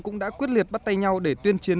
cũng đã quyết liệt bắt tay nhau để tuyên chiến